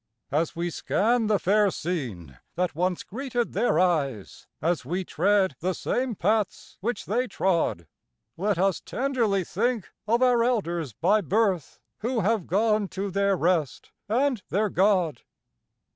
As we scan the fair scene that once greeted their eyes, As we tread the same paths which they trod, Let us tenderly think of our elders by birth, Who have gone to their rest, and their God.